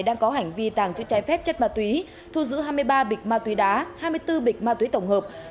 đang có hành vi tàng trữ trái phép chất ma túy thu giữ hai mươi ba bịch ma túy đá hai mươi bốn bịch ma túy tổng hợp